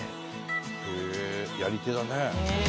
へえやり手だね。